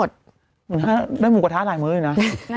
ได้หมูกระทะหลายมื้อเลยนะ